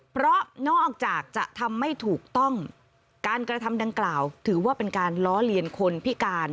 เพราะนอกจากจะทำไม่ถูกต้องการกระทำดังกล่าวถือว่าเป็นการล้อเลียนคนพิการ